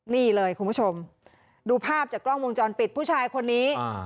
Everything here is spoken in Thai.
นี่เลยคุณผู้ชมดูภาพจากกล้องวงจรปิดผู้ชายคนนี้